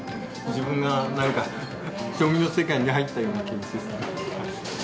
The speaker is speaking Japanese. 自分が何か将棋の世界に入ったような気持ちですね。